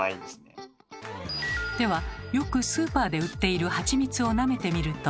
ではよくスーパーで売っているハチミツをなめてみると。